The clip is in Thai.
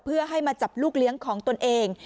เพื่อให้มาจับลูกเลี้ยงของตนเอง